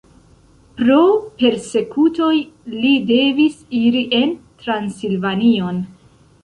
Pro persekutoj li devis iri en Transilvanion.